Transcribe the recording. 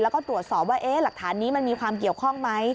แล้วก็ตรวจสอบว่าหลักฐานนี้มันมีความเกี่ยวข้องไหม